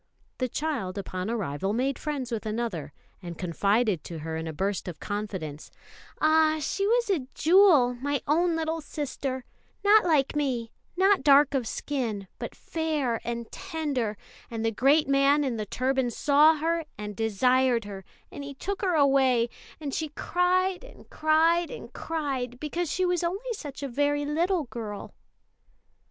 The child upon arrival made friends with another, and confided to her in a burst of confidence: "Ah, she was a jewel, my own little sister not like me, not dark of skin, but 'fair' and tender; and the great man in the turban saw her and desired her, and he took her away; and she cried and cried and cried, because she was only such a very little girl."